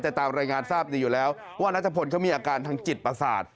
แต่ตามรายงานทราบดีอยู่แล้วว่านัทพลเขามีอาการทางจิตประสาท